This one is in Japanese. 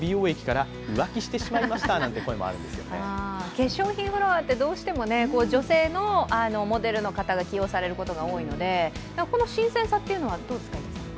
化粧品フロアってどうしても女性のモデルの方が起用されることが多いのでこの新鮮さってどうですか。